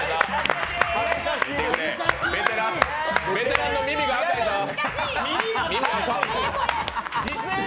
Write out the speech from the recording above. ベテランの耳が赤いぞ。